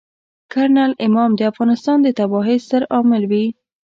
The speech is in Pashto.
کرنل امام د افغانستان د تباهۍ ستر عامل وي.